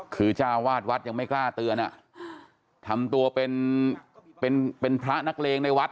คือจ้าวาดวัดยังไม่กล้าเตือนอ่ะทำตัวเป็นเป็นพระนักเลงในวัด